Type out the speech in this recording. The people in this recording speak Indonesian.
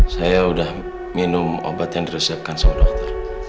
saya udah minum obat yang diresepkan semua dia